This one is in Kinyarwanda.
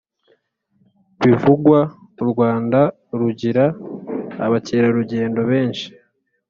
bivugwa u Rwanda rugira abakerarugendo benshi